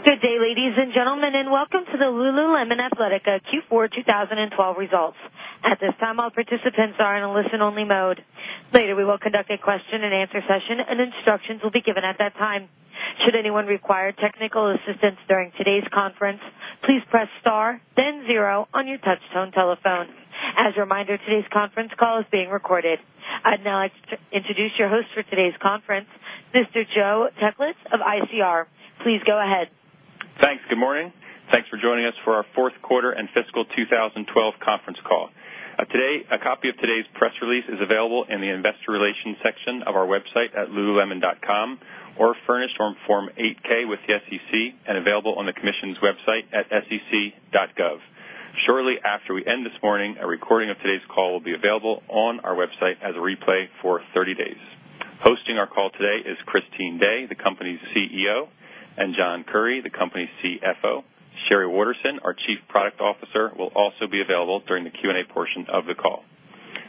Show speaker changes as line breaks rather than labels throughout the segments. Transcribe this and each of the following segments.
Good day, ladies and gentlemen, and welcome to the Lululemon Athletica Q4 2012 results. At this time, all participants are in a listen-only mode. Later, we will conduct a question-and-answer session, and instructions will be given at that time. Should anyone require technical assistance during today's conference, please press star then zero on your touchtone telephone. As a reminder, today's conference call is being recorded. I'd now like to introduce your host for today's conference, Mr. Joe Teklits of ICR. Please go ahead.
Thanks. Good morning. Thanks for joining us for our fourth quarter and fiscal 2012 conference call. A copy of today's press release is available in the investor relations section of our website at lululemon.com or furnished on Form 8-K with the SEC and available on the commission's website at sec.gov. Shortly after we end this morning, a recording of today's call will be available on our website as a replay for 30 days. Hosting our call today is Christine Day, the company's CEO, and John Currie, the company's CFO. Sheree Waterson, our Chief Product Officer, will also be available during the Q&A portion of the call.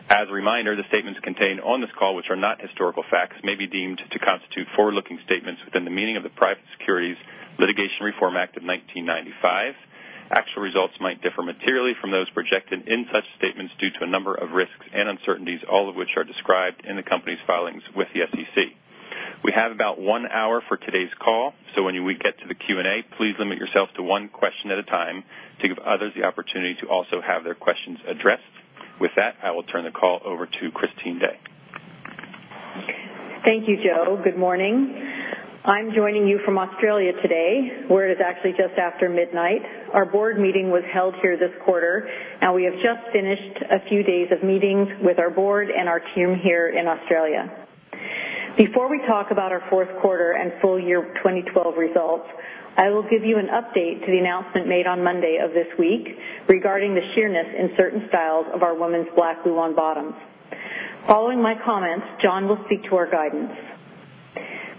As a reminder, the statements contained on this call, which are not historical facts, may be deemed to constitute forward-looking statements within the meaning of the Private Securities Litigation Reform Act of 1995. Actual results might differ materially from those projected in such statements due to a number of risks and uncertainties, all of which are described in the company's filings with the SEC. We have about one hour for today's call. When we get to the Q&A, please limit yourself to one question at a time to give others the opportunity to also have their questions addressed. With that, I will turn the call over to Christine Day.
Thank you, Joe. Good morning. I'm joining you from Australia today, where it is actually just after midnight. Our board meeting was held here this quarter, and we have just finished a few days of meetings with our board and our team here in Australia. Before we talk about our fourth quarter and full year 2012 results, I will give you an update to the announcement made on Monday of this week regarding the sheerness in certain styles of our women's black Luon bottoms. Following my comments, John will speak to our guidance.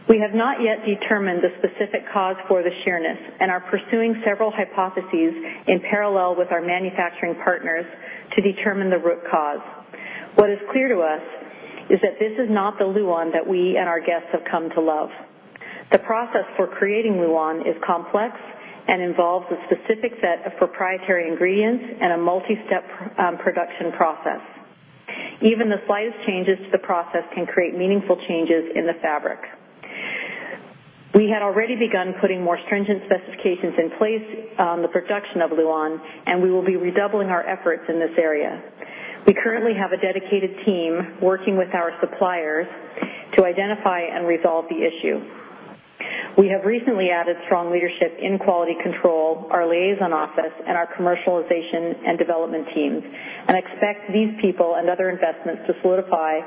We have not yet determined the specific cause for the sheerness and are pursuing several hypotheses in parallel with our manufacturing partners to determine the root cause. What is clear to us is that this is not the Luon that we and our guests have come to love. The process for creating Luon is complex and involves a specific set of proprietary ingredients and a multistep production process. Even the slightest changes to the process can create meaningful changes in the fabric. We had already begun putting more stringent specifications in place on the production of Luon, and we will be redoubling our efforts in this area. We currently have a dedicated team working with our suppliers to identify and resolve the issue. We have recently added strong leadership in quality control, our liaison office, and our commercialization and development teams, and expect these people and other investments to solidify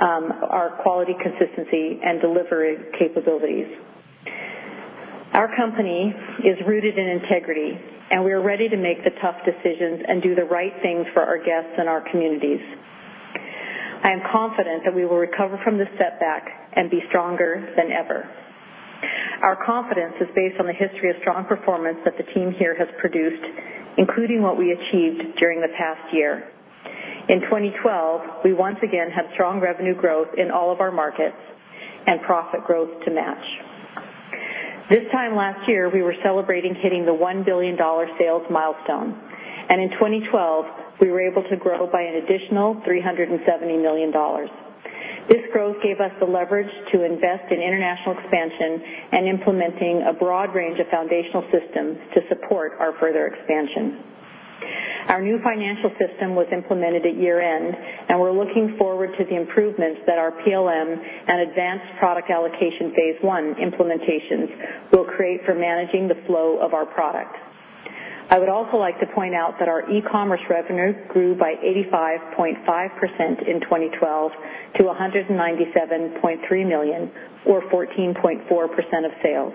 our quality, consistency, and delivery capabilities. Our company is rooted in integrity, and we are ready to make the tough decisions and do the right things for our guests and our communities. I am confident that we will recover from this setback and be stronger than ever. Our confidence is based on the history of strong performance that the team here has produced, including what we achieved during the past year. In 2012, we once again had strong revenue growth in all of our markets and profit growth to match. This time last year, we were celebrating hitting the $1 billion sales milestone, and in 2012, we were able to grow by an additional $370 million. This growth gave us the leverage to invest in international expansion and implementing a broad range of foundational systems to support our further expansion. Our new financial system was implemented at year-end, and we're looking forward to the improvements that our PLM and advanced product allocation phase 1 implementations will create for managing the flow of our product. I would also like to point out that our e-commerce revenue grew by 85.5% in 2012 to $197.3 million, or 14.4% of sales.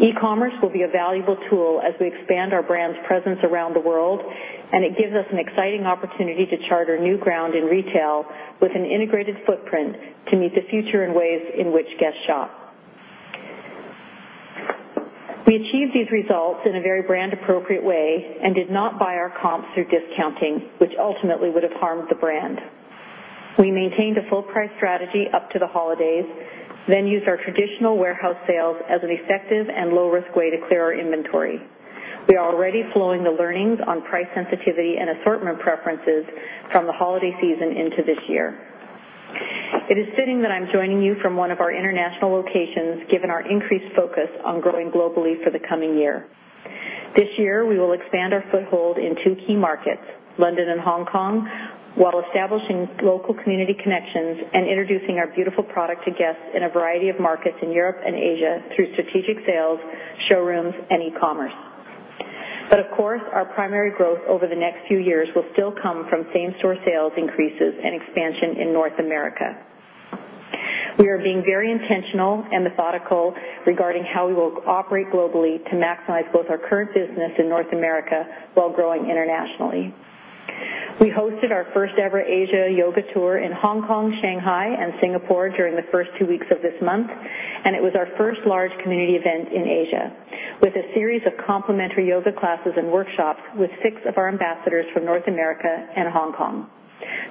E-commerce will be a valuable tool as we expand our brand's presence around the world, it gives us an exciting opportunity to charter new ground in retail with an integrated footprint to meet the future in ways in which guests shop. We achieved these results in a very brand-appropriate way and did not buy our comps through discounting, which ultimately would have harmed the brand. We maintained a full price strategy up to the holidays, then used our traditional warehouse sales as an effective and low-risk way to clear our inventory. We are already flowing the learnings on price sensitivity and assortment preferences from the holiday season into this year. It is fitting that I'm joining you from one of our international locations, given our increased focus on growing globally for the coming year. This year, we will expand our foothold in two key markets, London and Hong Kong, while establishing local community connections and introducing our beautiful product to guests in a variety of markets in Europe and Asia through strategic sales, showrooms, and e-commerce. Of course, our primary growth over the next few years will still come from same-store sales increases and expansion in North America. We are being very intentional and methodical regarding how we will operate globally to maximize both our current business in North America while growing internationally. We hosted our first-ever Asia Yoga Tour in Hong Kong, Shanghai, and Singapore during the first two weeks of this month, and it was our first large community event in Asia, with a series of complimentary yoga classes and workshops with six of our ambassadors from North America and Hong Kong.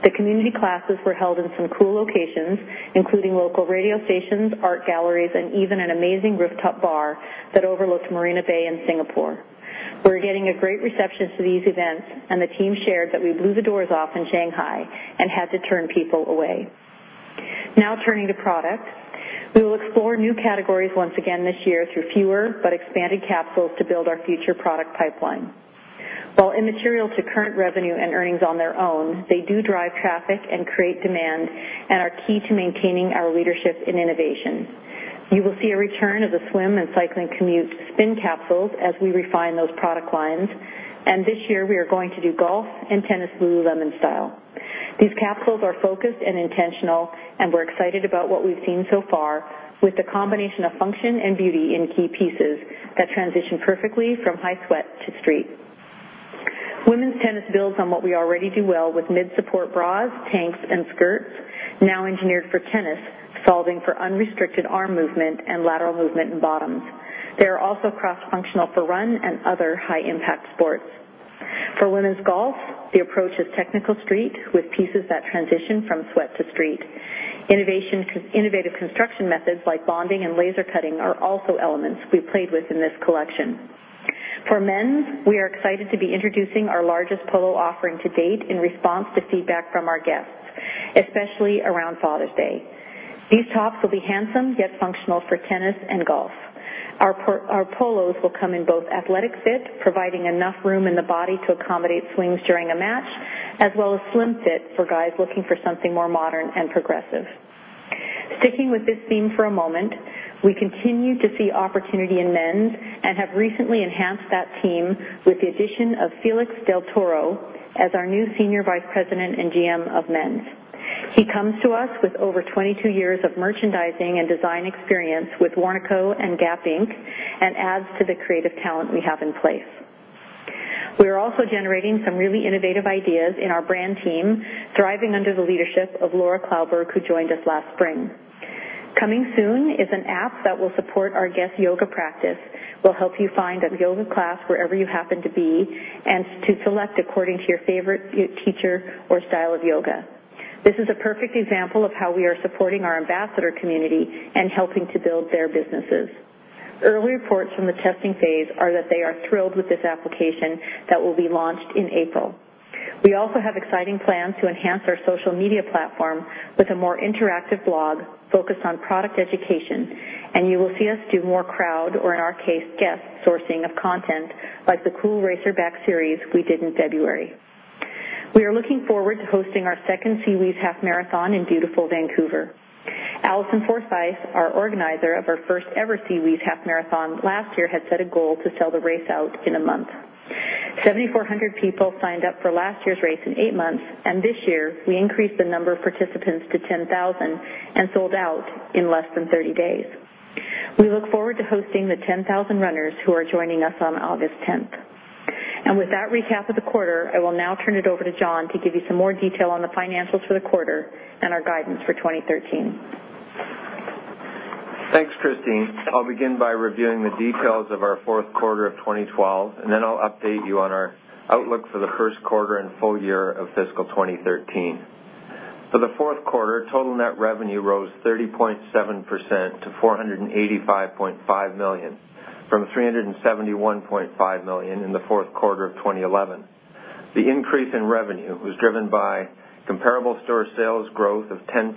The community classes were held in some cool locations, including local radio stations, art galleries, and even an amazing rooftop bar that overlooked Marina Bay in Singapore. We're getting a great reception to these events, and the team shared that we blew the doors off in Shanghai and had to turn people away. Now turning to product. We will explore new categories once again this year through fewer but expanded capsules to build our future product pipeline. While immaterial to current revenue and earnings on their own, they do drive traffic and create demand and are key to maintaining our leadership in innovation. You will see a return of the swim and cycling commute spin capsules as we refine those product lines. This year, we are going to do golf and tennis Lululemon style. These capsules are focused and intentional. We're excited about what we've seen so far with the combination of function and beauty in key pieces that transition perfectly from high sweat to street. Women's tennis builds on what we already do well with mid-support bras, tanks, and skirts, now engineered for tennis, solving for unrestricted arm movement and lateral movement in bottoms. They are also cross-functional for run and other high-impact sports. For women's golf, the approach is technical street with pieces that transition from sweat to street. Innovative construction methods like bonding and laser cutting are also elements we played with in this collection. For men's, we are excited to be introducing our largest polo offering to date in response to feedback from our guests, especially around Father's Day. These tops will be handsome, yet functional for tennis and golf. Our polos will come in both athletic fit, providing enough room in the body to accommodate swings during a match, as well as slim fit for guys looking for something more modern and progressive. Sticking with this theme for a moment, we continue to see opportunity in men's and have recently enhanced that team with the addition of Felix del Toro as our new Senior Vice President and GM of Men's. He comes to us with over 22 years of merchandising and design experience with Warnaco and Gap Inc. Adds to the creative talent we have in place. Also generating some really innovative ideas in our brand team, thriving under the leadership of Laura Klauberg, who joined us last spring. Coming soon is an app that will support our guest yoga practice. We'll help you find a yoga class wherever you happen to be, to select according to your favorite teacher or style of yoga. This is a perfect example of how we are supporting our ambassador community and helping to build their businesses. Early reports from the testing phase are that they are thrilled with this application that will be launched in April. Also have exciting plans to enhance our social media platform with a more interactive blog focused on product education. You will see us do more crowd, or in our case, guest sourcing of content, like the cool racerback series we did in February. We are looking forward to hosting our second SeaWheeze Half Marathon in beautiful Vancouver. Allison Forsyth, our organizer of our first-ever SeaWheeze Half Marathon last year, had set a goal to sell the race out in a month. 7,400 people signed up for last year's race in eight months, this year, we increased the number of participants to 10,000 and sold out in less than 30 days. We look forward to hosting the 10,000 runners who are joining us on August 10th. With that recap of the quarter, I will now turn it over to John to give you some more detail on the financials for the quarter and our guidance for 2013.
Thanks, Christine. I will begin by reviewing the details of our fourth quarter of 2012, then I will update you on our outlook for the first quarter and full year of fiscal 2013. For the fourth quarter, total net revenue rose 30.7% to $485.5 million from $371.5 million in the fourth quarter of 2011. The increase in revenue was driven by comparable store sales growth of 10%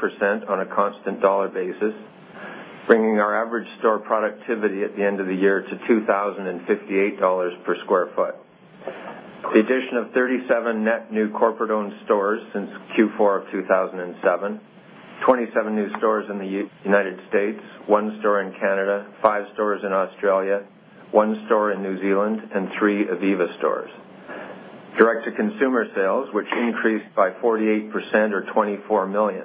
on a constant dollar basis, bringing our average store productivity at the end of the year to $2,058 per square foot. The addition of 37 net new corporate-owned stores since Q4 of 2007, 27 new stores in the United States, one store in Canada, five stores in Australia, one store in New Zealand, and three ivivva stores. Direct-to-consumer sales, which increased by 48% or $24 million.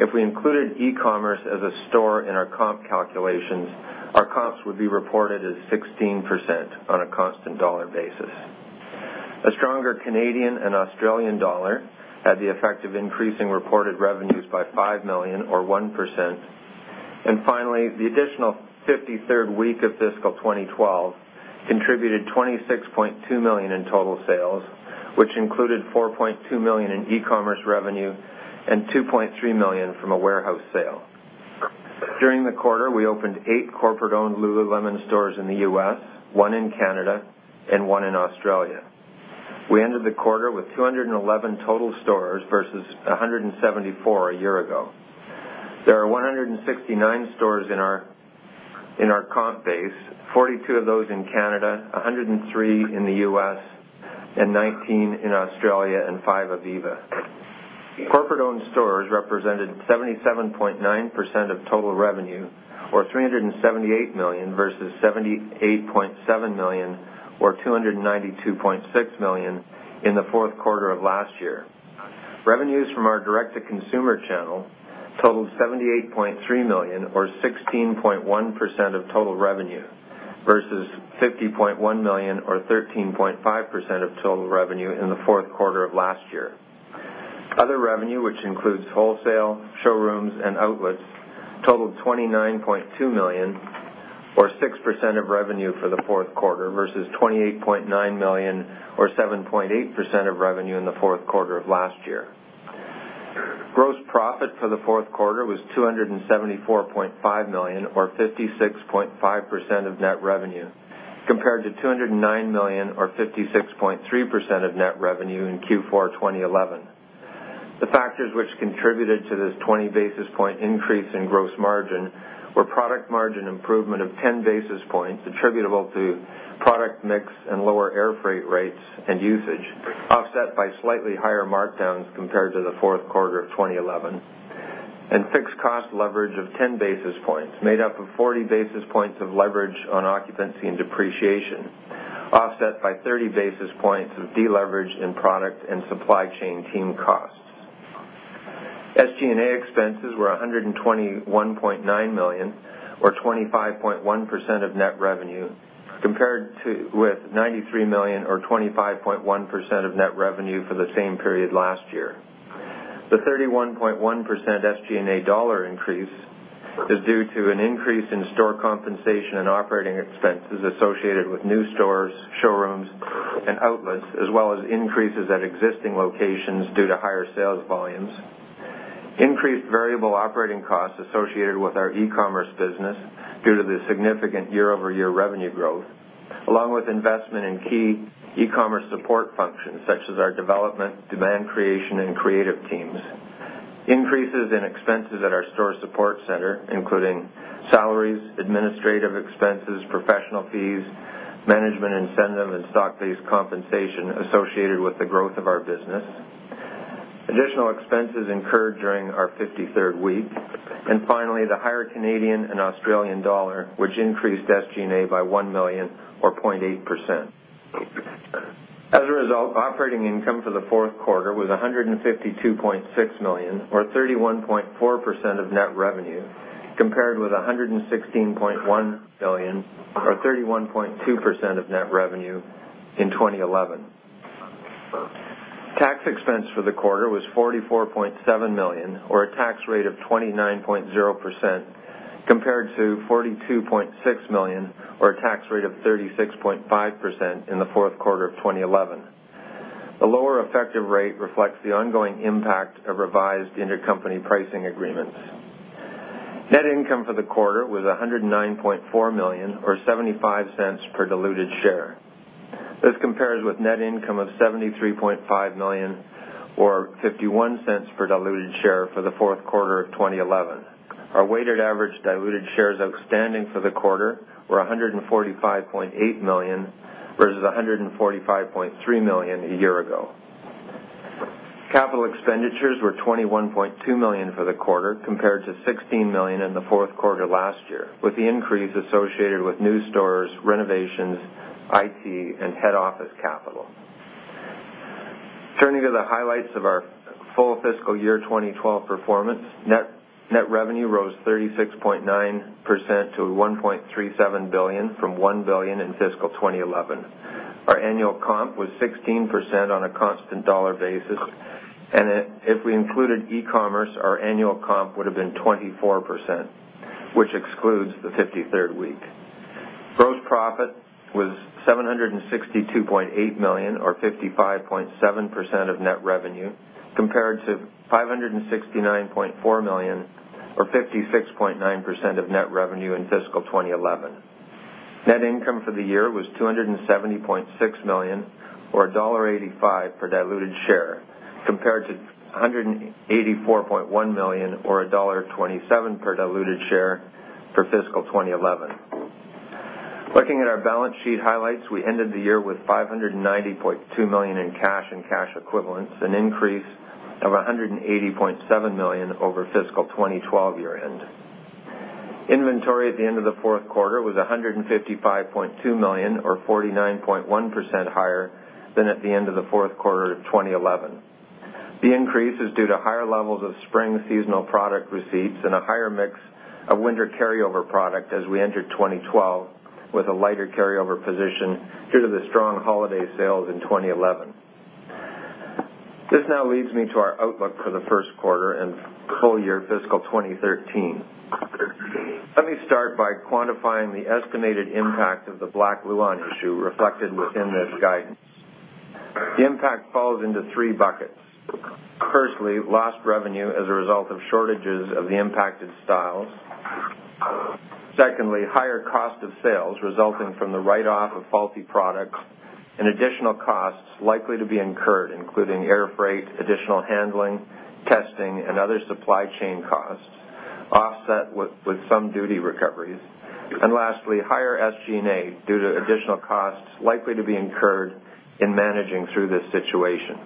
If we included e-commerce as a store in our comp calculations, our comps would be reported as 16% on a constant dollar basis. A stronger Canadian and Australian dollar had the effect of increasing reported revenues by $5 million or 1%. Finally, the additional 53rd week of fiscal 2012 contributed $26.2 million in total sales, which included $4.2 million in e-commerce revenue and $2.3 million from a warehouse sale. During the quarter, we opened eight corporate-owned Lululemon stores in the U.S., one in Canada, and one in Australia. We ended the quarter with 211 total stores versus 174 a year ago. There are 169 stores in our comp base, 42 of those in Canada, 103 in the U.S., and 19 in Australia and five ivivva. Corporate-owned stores represented 77.9% of total revenue, or $378 million versus 78.7% or $292.6 million in the fourth quarter of last year. Revenues from our direct-to-consumer channel totaled $78.3 million or 16.1% of total revenue versus $50.1 million or 13.5% of total revenue in the fourth quarter of last year. Other revenue, which includes wholesale, showrooms, and outlets, totaled $29.2 million or 6% of revenue for the fourth quarter versus $28.9 million or 7.8% of revenue in the fourth quarter of last year. Gross profit for the fourth quarter was $274.5 million or 56.5% of net revenue, compared to $209 million or 56.3% of net revenue in Q4 2011. The factors which contributed to this 20 basis point increase in gross margin were product margin improvement of 10 basis points attributable to product mix and lower air freight rates and usage, offset by slightly higher markdowns compared to the fourth quarter of 2011, and fixed cost leverage of 10 basis points, made up of 40 basis points of leverage on occupancy and depreciation, offset by 30 basis points of deleverage in product and supply chain team costs. SG&A expenses were $121.9 million or 25.1% of net revenue, compared with $93 million or 25.1% of net revenue for the same period last year. The 31.1% SG&A dollar increase is due to an increase in store compensation and operating expenses associated with new stores, showrooms, and outlets, as well as increases at existing locations due to higher sales volumes. Increased variable operating costs associated with our e-commerce business due to the significant year-over-year revenue growth, along with investment in key e-commerce support functions such as our development, demand creation, and creative teams. Increases in expenses at our store support center, including salaries, administrative expenses, professional fees, management incentive, and stock-based compensation associated with the growth of our business. Additional expenses incurred during our 53rd week. Finally, the higher Canadian and Australian dollar, which increased SG&A by $1 million or 0.8%. As a result, operating income for the fourth quarter was $152.6 million or 31.4% of net revenue, compared with $116.1 million or 31.2% of net revenue in 2011. Tax expense for the quarter was $44.7 million or a tax rate of 29.0%, compared to $42.6 million or a tax rate of 36.5% in the fourth quarter of 2011. The lower effective rate reflects the ongoing impact of revised intercompany pricing agreements. Net income for the quarter was $109.4 million or $0.75 per diluted share. This compares with net income of $73.5 million or $0.51 per diluted share for the fourth quarter of 2011. Our weighted average diluted shares outstanding for the quarter were 145.8 million, versus 145.3 million a year ago. Capital expenditures were $21.2 million for the quarter, compared to $16 million in the fourth quarter last year, with the increase associated with new stores, renovations, IT, and head office capital. Turning to the highlights of our full fiscal year 2012 performance, net revenue rose 36.9% to $1.37 billion from $1 billion in fiscal 2011. Our annual comp was 16% on a constant dollar basis, and if we included e-commerce, our annual comp would have been 24%, which excludes the 53rd week. Gross profit was $762.8 million or 55.7% of net revenue, compared to $569.4 million or 56.9% of net revenue in fiscal 2011. Net income for the year was $270.6 million, or $1.85 per diluted share, compared to $184.1 million or $1.27 per diluted share for fiscal 2011. Looking at our balance sheet highlights, we ended the year with $590.2 million in cash and cash equivalents, an increase of $180.7 million over fiscal 2012 year-end. Inventory at the end of the fourth quarter was $155.2 million or 49.1% higher than at the end of the fourth quarter of 2011. The increase is due to higher levels of spring seasonal product receipts and a higher mix of winter carryover product as we entered 2012 with a lighter carryover position due to the strong holiday sales in 2011. This now leads me to our outlook for the first quarter and full year fiscal 2013. Let me start by quantifying the estimated impact of the black Lululemon issue reflected within this guidance. The impact falls into three buckets. Firstly, lost revenue as a result of shortages of the impacted styles. Secondly, higher cost of sales resulting from the write-off of faulty products and additional costs likely to be incurred, including air freight, additional handling, testing, and other supply chain costs, offset with some duty recoveries. Lastly, higher SG&A due to additional costs likely to be incurred in managing through this situation.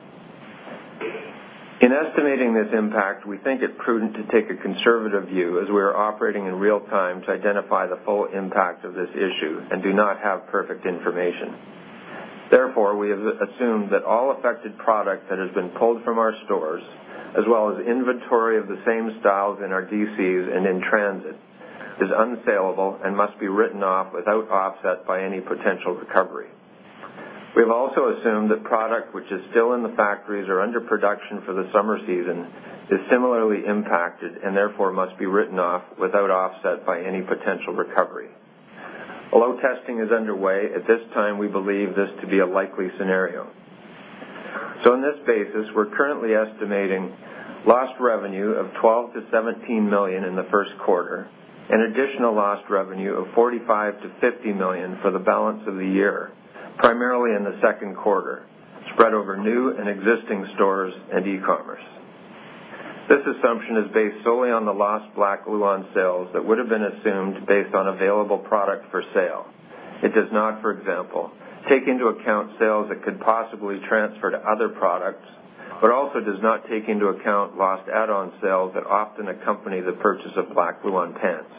In estimating this impact, we think it prudent to take a conservative view as we are operating in real time to identify the full impact of this issue and do not have perfect information. Therefore, we have assumed that all affected product that has been pulled from our stores, as well as inventory of the same styles in our DCs and in transit, is unsaleable and must be written off without offset by any potential recovery. We have also assumed that product which is still in the factories or under production for the summer season is similarly impacted and therefore must be written off without offset by any potential recovery. Although testing is underway, at this time, we believe this to be a likely scenario. On this basis, we're currently estimating lost revenue of $12 million-$17 million in the first quarter, an additional lost revenue of $45 million-$50 million for the balance of the year, primarily in the second quarter, spread over new and existing stores and e-commerce. This assumption is based solely on the lost black Luon sales that would have been assumed based on available product for sale. It does not, for example, take into account sales that could possibly transfer to other products, but also does not take into account lost add-on sales that often accompany the purchase of black Luon pants.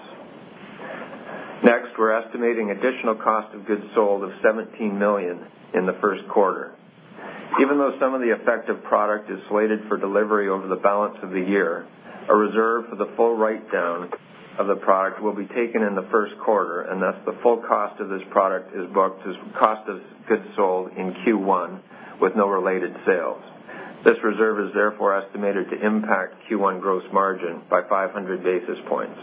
Next, we're estimating additional cost of goods sold of $17 million in the first quarter. Even though some of the effective product is slated for delivery over the balance of the year, a reserve for the full write-down of the product will be taken in the first quarter, and thus the full cost of this product is booked as cost of goods sold in Q1 with no related sales. This reserve is therefore estimated to impact Q1 gross margin by 500 basis points.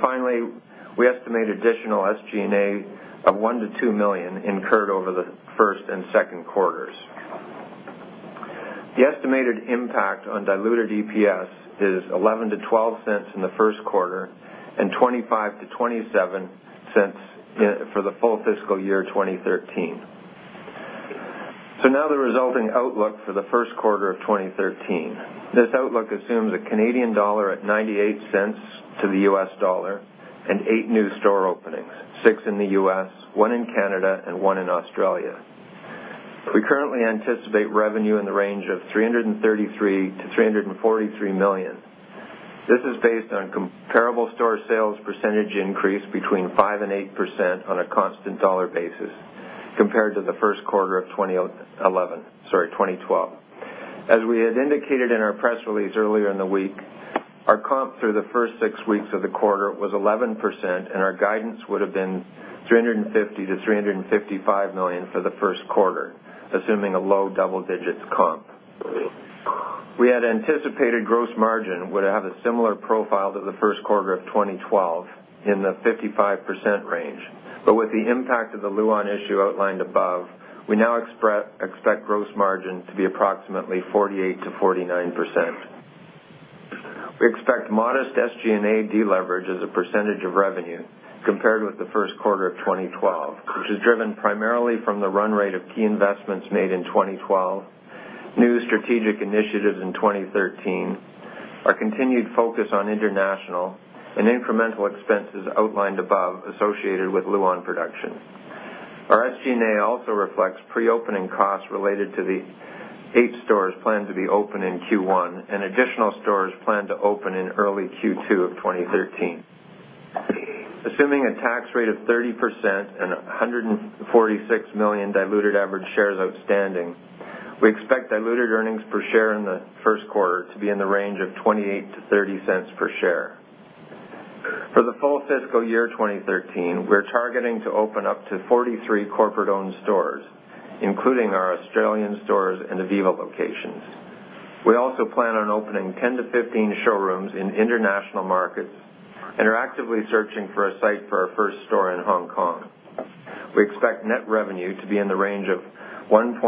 Finally, we estimate additional SG&A of $1 million-$2 million incurred over the first and second quarters. The estimated impact on diluted EPS is $0.11-$0.12 in the first quarter and $0.25-$0.27 for the full fiscal year 2013. The resulting outlook for the first quarter of 2013. This outlook assumes a Canadian dollar at $0.98 to the U.S. dollar and eight new store openings, six in the U.S., one in Canada, and one in Australia. We currently anticipate revenue in the range of $333 million-$343 million. This is based on comparable store sales percentage increase between 5% and 8% on a constant dollar basis compared to the first quarter of 2012. We had indicated in our press release earlier in the week, our comp through the first six weeks of the quarter was 11%, and our guidance would have been $350 million-$355 million for the first quarter, assuming a low double-digit comp. We had anticipated gross margin would have a similar profile to the first quarter of 2012 in the 55% range. With the impact of the Luon issue outlined above, we now expect gross margin to be approximately 48%-49%. We expect modest SG&A deleverage as a % of revenue compared with the first quarter of 2012, which is driven primarily from the run rate of key investments made in 2012, new strategic initiatives in 2013, our continued focus on international, and incremental expenses outlined above associated with Luon production. Our SG&A also reflects pre-opening costs related to the eight stores planned to be open in Q1 and additional stores planned to open in early Q2 of 2013. Assuming a tax rate of 30% and 146 million diluted average shares outstanding, we expect diluted earnings per share in the first quarter to be in the range of $0.28-$0.30 per share. For the full fiscal year 2013, we're targeting to open up to 43 corporate-owned stores, including our Australian stores and ivivva locations. We also plan on opening 10-15 showrooms in international markets and are actively searching for a site for our first store in Hong Kong. We expect net revenue to be in the range of $1.615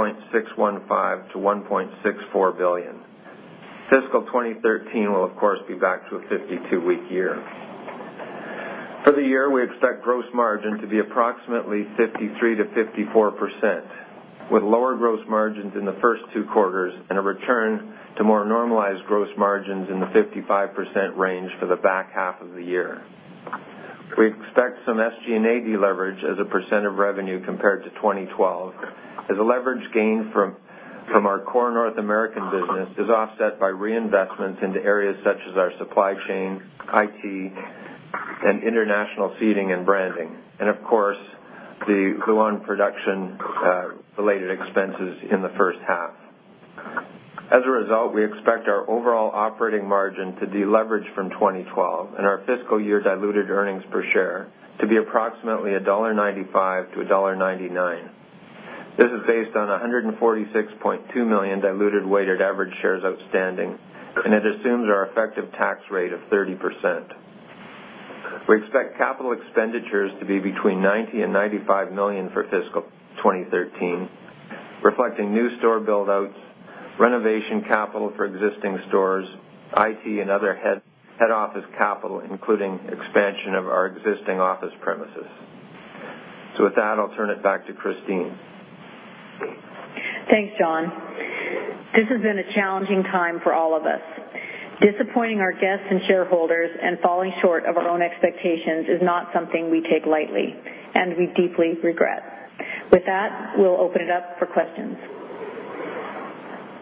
billion-$1.64 billion. Fiscal 2013 will, of course, be back to a 52-week year. For the year, we expect gross margin to be approximately 53%-54%, with lower gross margins in the first two quarters and a return to more normalized gross margins in the 55% range for the back half of the year. We expect some SG&A deleverage as a % of revenue compared to 2012, as a leverage gain from our core North American business is offset by reinvestments into areas such as our supply chain, IT, and international seeding and branding, and of course, the Luon production-related expenses in the first half. As a result, we expect our overall operating margin to deleverage from 2012 and our fiscal year diluted earnings per share to be approximately $1.95-$1.99. This is based on 146.2 million diluted weighted average shares outstanding, and it assumes our effective tax rate of 30%. We expect capital expenditures to be between $90 million-$95 million for fiscal 2013, reflecting new store build-outs, renovation capital for existing stores, IT and other head office capital, including expansion of our existing office premises. With that, I'll turn it back to Christine.
Thanks, John. This has been a challenging time for all of us. Disappointing our guests and shareholders and falling short of our own expectations is not something we take lightly, and we deeply regret. With that, we will open it up for questions.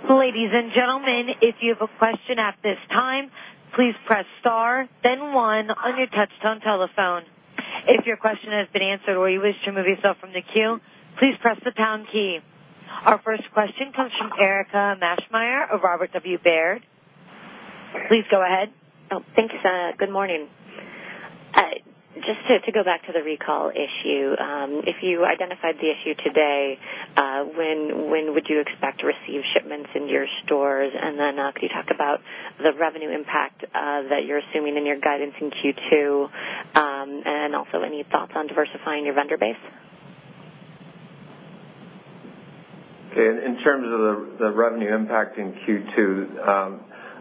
Ladies and gentlemen, if you have a question at this time, please press star then one on your touch-tone telephone. If your question has been answered or you wish to remove yourself from the queue, please press the pound key. Our first question comes from Erika Maschmeyer of Robert W. Baird. Please go ahead.
Thanks. Good morning. To go back to the recall issue. If you identified the issue today, when would you expect to receive shipments into your stores? Could you talk about the revenue impact that you are assuming in your guidance in Q2, and also any thoughts on diversifying your vendor base?
In terms of the revenue impact in Q2,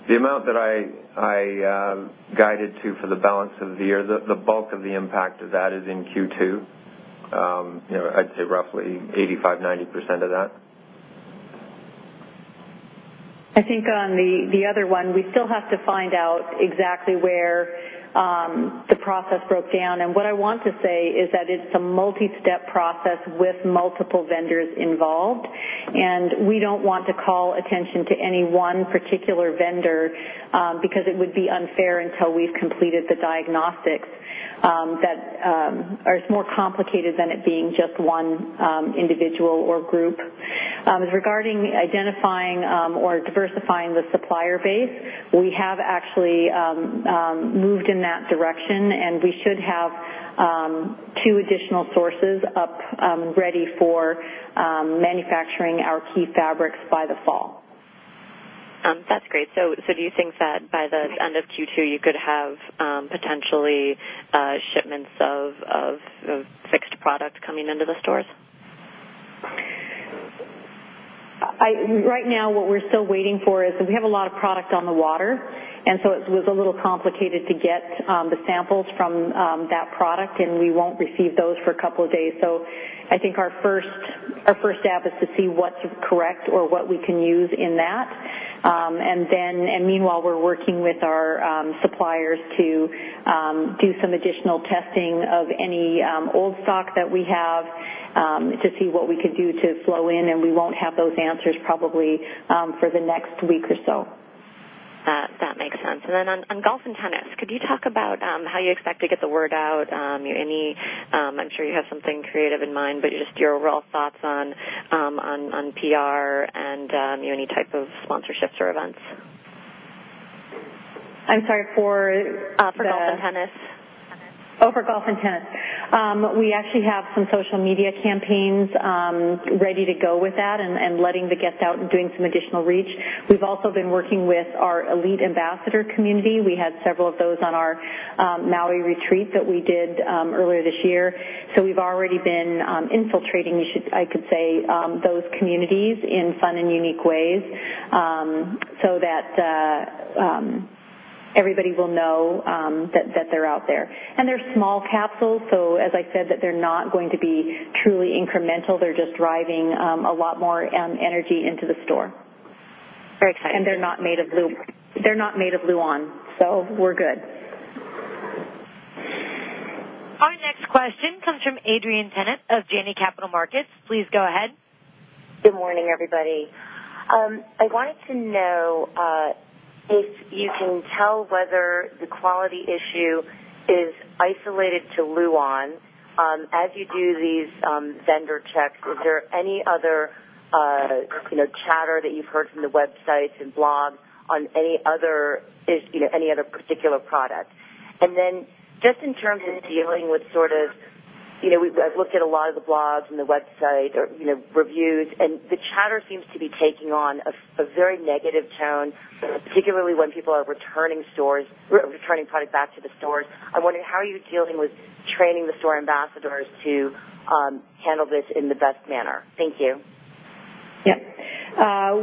the amount that I guided to for the balance of the year, the bulk of the impact of that is in Q2. I would say roughly 85%-90% of that.
I think on the other one, we still have to find out exactly where the process broke down. What I want to say is that it's a multi-step process with multiple vendors involved, and we don't want to call attention to any one particular vendor because it would be unfair until we've completed the diagnostics that are more complicated than it being just one individual or group. Regarding identifying or diversifying the supplier base, we have actually moved in that direction, and we should have two additional sources up ready for manufacturing our key fabrics by the fall.
That's great. Do you think that by the end of Q2, you could have potentially shipments of fixed product coming into the stores?
Right now, what we're still waiting for is we have a lot of product on the water, and so it was a little complicated to get the samples from that product, and we won't receive those for a couple of days. I think our first step is to see what's correct or what we can use in that. Meanwhile, we're working with our suppliers to do some additional testing of any old stock that we have to see what we could do to flow in, and we won't have those answers probably for the next week or so.
That makes sense. On golf and tennis, could you talk about how you expect to get the word out? I'm sure you have something creative in mind, but just your overall thoughts on PR and any type of sponsorships or events.
I'm sorry, for.
For golf and tennis.
Oh, for golf and tennis. We actually have some social media campaigns ready to go with that and letting the guests out and doing some additional reach. We've also been working with our elite ambassador community. We had several of those on our Maui retreat that we did earlier this year. We've already been infiltrating, I could say, those communities in fun and unique ways, so that everybody will know that they're out there. They're small capsules, so as I said, that they're not going to be truly incremental. They're just driving a lot more energy into the store.
Very exciting.
They're not made of Luon, so we're good.
Our next question comes from Adrienne Tennant of Janney Montgomery Scott. Please go ahead.
Good morning, everybody. I wanted to know if you can tell whether the quality issue is isolated to Luon. As you do these vendor checks, is there any other chatter that you've heard from the websites and blogs on any other particular product? Then just in terms of I've looked at a lot of the blogs and the website or reviews, and the chatter seems to be taking on a very negative tone, particularly when people are returning product back to the stores. I'm wondering how are you dealing with training the store ambassadors to handle this in the best manner? Thank you.
Yeah.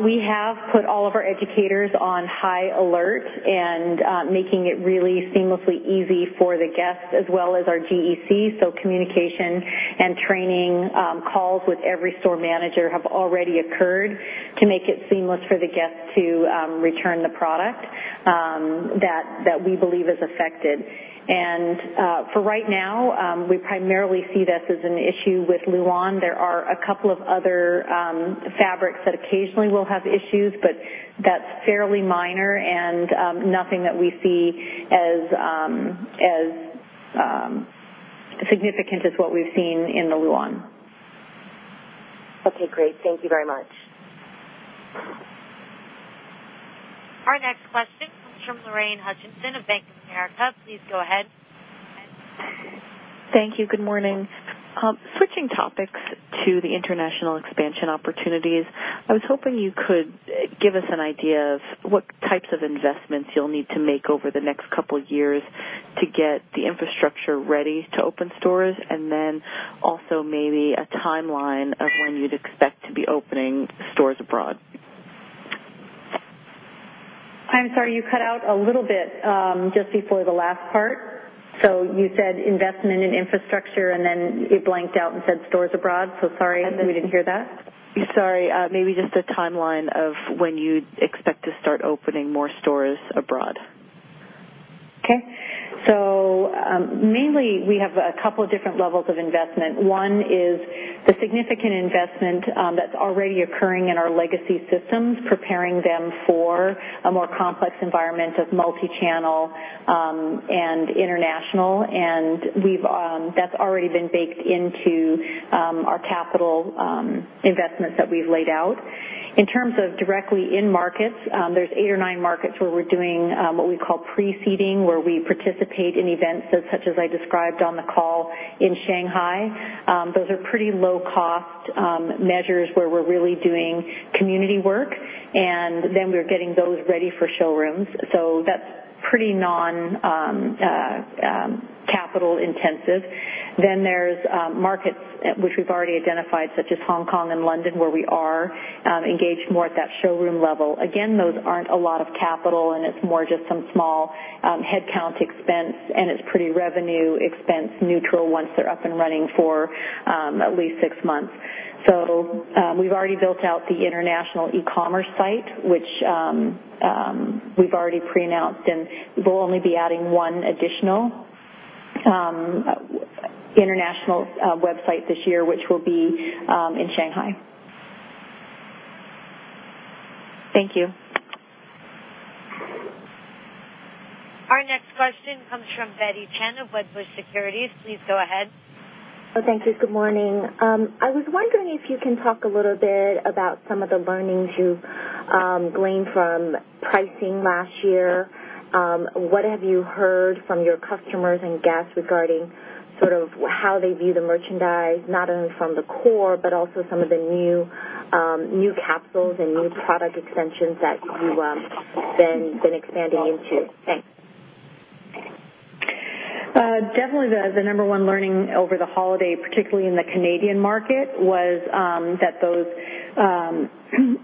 We have put all of our educators on high alert and making it really seamlessly easy for the guests as well as our GECs. Communication and training calls with every store manager have already occurred to make it seamless for the guest to return the product that we believe is affected. For right now, we primarily see this as an issue with Luon. There are a couple of other fabrics that occasionally will have issues, but that's fairly minor and nothing that we see as significant as what we've seen in the Luon.
Okay, great. Thank you very much.
Our next question comes from Lorraine Hutchinson of Bank of America. Please go ahead.
Thank you. Good morning. Switching topics to the international expansion opportunities, I was hoping you could give us an idea of what types of investments you'll need to make over the next couple of years to get the infrastructure ready to open stores, and then also maybe a timeline of when you'd expect to be opening stores abroad.
I'm sorry, you cut out a little bit, just before the last part. You said investment in infrastructure, and then it blanked out and said stores abroad. Sorry, we didn't hear that.
Sorry. Maybe just a timeline of when you'd expect to start opening more stores abroad.
Okay. Mainly, we have a couple of different levels of investment. One is the significant investment that's already occurring in our legacy systems, preparing them for a more complex environment of multi-channel and international, and that's already been baked into our capital investments that we've laid out. In terms of directly in markets, there's eight or nine markets where we're doing what we call [pre-seeding], where we participate in events such as I described on the call in Shanghai. Those are pretty low-cost measures where we're really doing community work, and then we're getting those ready for showrooms. That's pretty non-capital intensive. There's markets which we've already identified, such as Hong Kong and London, where we are engaged more at that showroom level. Again, those aren't a lot of capital, and it's more just some small headcount expense, and it's pretty revenue expense neutral once they're up and running for at least six months. We've already built out the international e-commerce site, which we've already pre-announced, and we'll only be adding one additional international website this year, which will be in Shanghai.
Thank you.
Our next question comes from Betty Chen of Wedbush Securities. Please go ahead.
Oh, thank you. Good morning. I was wondering if you can talk a little bit about some of the learnings you've gleaned from pricing last year. What have you heard from your customers and guests regarding how they view the merchandise, not only from the core, but also some of the new capsules and new product extensions that you've been expanding into? Thanks.
Definitely the number one learning over the holiday, particularly in the Canadian market, was that those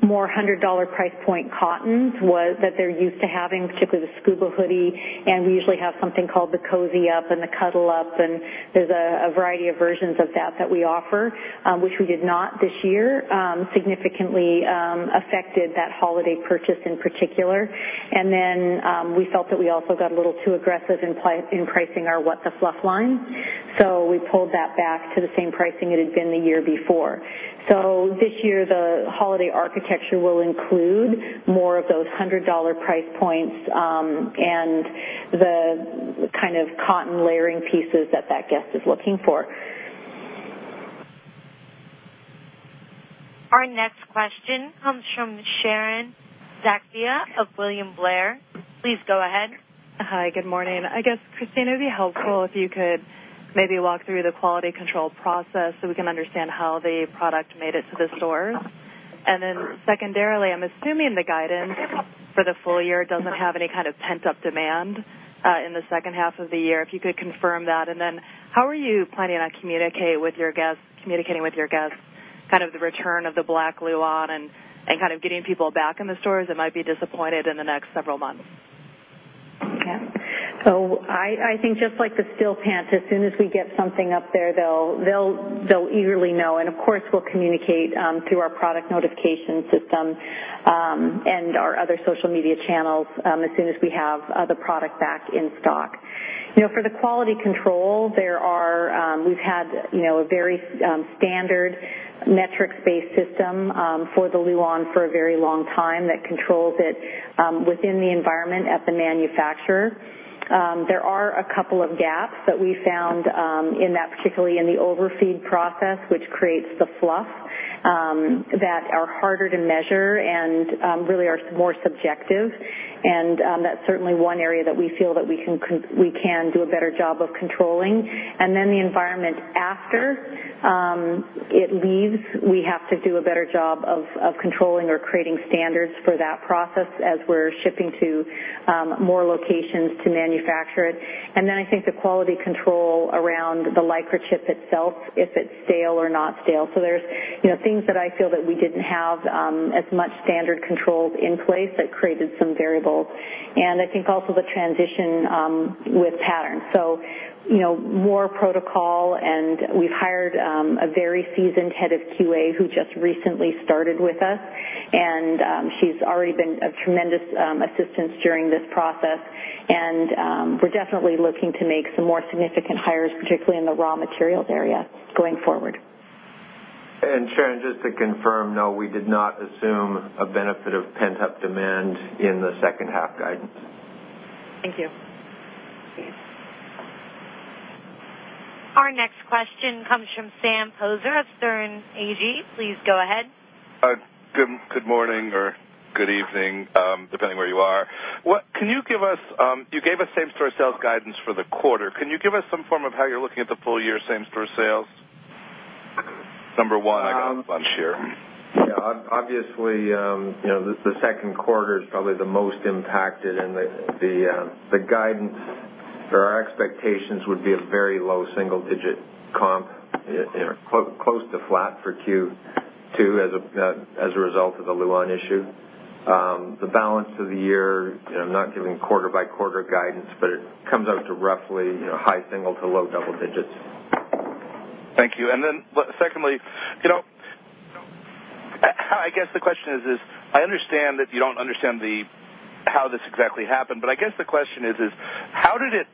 more $100 price point cottons that they're used to having, particularly the Scuba Hoodie, and we usually have something called the Cozy Up and the Cuddle Up, and there's a variety of versions of that that we offer, which we did not this year, significantly affected that holiday purchase in particular. We felt that we also got a little too aggressive in pricing our What The Fluff line. We pulled that back to the same pricing it had been the year before. This year, the holiday architecture will include more of those $100 price points, and the kind of cotton layering pieces that that guest is looking for.
Our next question comes from Sharon Zackfia of William Blair. Please go ahead.
Hi. Good morning. I guess, Christine, it would be helpful if you could maybe walk through the quality control process so we can understand how the product made it to the stores. Secondarily, I am assuming the guidance for the full year doesn't have any kind of pent-up demand in the second half of the year, if you could confirm that. How are you planning on communicating with your guests, kind of the return of the black Luon and getting people back in the stores that might be disappointed in the next several months?
Yeah. I think just like the Stillness Pant, as soon as we get something up there, they will eagerly know. Of course, we will communicate through our product notification system, and our other social media channels, as soon as we have the product back in stock. For the quality control, we have had a very standard metrics-based system for the Luon for a very long time that controls it within the environment at the manufacturer. There are a couple of gaps that we found in that, particularly in the overfeed process, which creates the fluff, that are harder to measure and really are more subjective. That is certainly one area that we feel that we can do a better job of controlling. The environment after it leaves, we have to do a better job of controlling or creating standards for that process as we are shipping to more locations to manufacture it. I think the quality control around the Lycra chip itself, if it is stale or not stale. There are things that I feel that we did not have as much standard controls in place that created some variables. I think also the transition with patterns. More protocol and we have hired a very seasoned head of QA who just recently started with us, and she has already been of tremendous assistance during this process. We are definitely looking to make some more significant hires, particularly in the raw materials area going forward.
Sharon, just to confirm, no, we did not assume a benefit of pent-up demand in the second half guidance.
Thank you.
Our next question comes from Sam Poser of Sterne Agee. Please go ahead.
Good morning or good evening, depending where you are. You gave us same-store sales guidance for the quarter. Can you give us some form of how you're looking at the full year same-store sales? Number one, I got a bunch here.
Yeah. Obviously, the second quarter is probably the most impacted, and the guidance or our expectations would be a very low single-digit comp, close to flat for Q2 as a result of the Luon issue. The balance of the year, I'm not giving quarter-by-quarter guidance, but it comes out to roughly high single to low double digits.
Thank you. Secondly, I guess the question is, I understand that you don't understand how this exactly happened, I guess the question is, how did it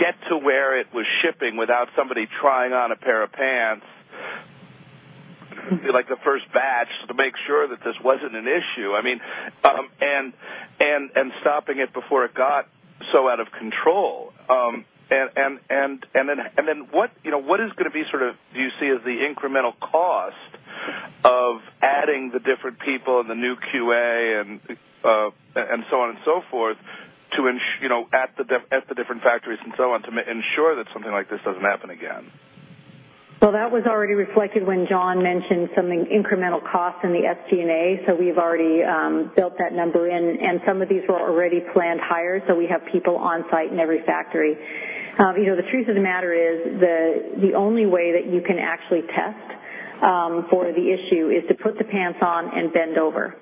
get to where it was shipping without somebody trying on a pair of pants, like the first batch, to make sure that this wasn't an issue, and stopping it before it got so out of control? What is going to be sort of, do you see as the incremental cost? Adding the different people and the new QA and so on and so forth at the different factories and so on to ensure that something like this doesn't happen again.
Well, that was already reflected when John mentioned some incremental costs in the SG&A, we've already built that number in. Some of these were already planned hires, so we have people on site in every factory. The truth of the matter is, the only way that you can actually test for the issue is to put the pants on and bend over.